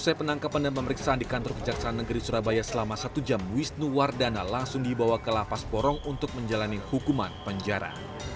usai penangkapan dan pemeriksaan di kantor kejaksaan negeri surabaya selama satu jam wisnu wardana langsung dibawa ke lapas porong untuk menjalani hukuman penjara